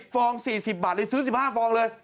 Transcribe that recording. ฟอง๔๐บาทเลยซื้อ๑๕ฟองเลย